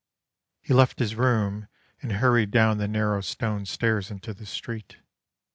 He left his room and hurried down the narrow stone stairs into the street.